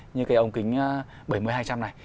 như cái ông kính bảy mươi hai trăm linh này